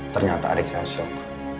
ternyata adik saya shock